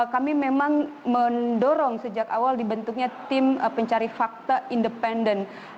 kami memang mendorong sejak awal dibentuknya tim pencari fakta independen